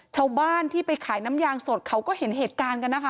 ชาวบ้านที่ไปขายน้ำยางสดเขาก็เห็นเหตุการณ์กันนะคะ